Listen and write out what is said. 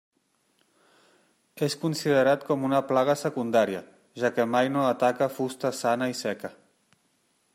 És considerat com una plaga secundària, ja que mai no ataca fusta sana i seca.